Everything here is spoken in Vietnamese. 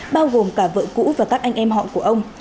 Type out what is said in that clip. bao gồm cả vợ cũ và các anh em họ của ông